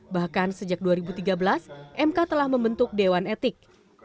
bahkan sejak dua ribu tiga belas mk telah membentuk dewan etik